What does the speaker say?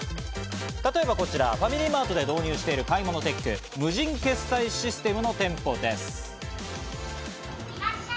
例えばこちら、ファミリーマートで導入している買い物テック、無人決済システムの店舗です。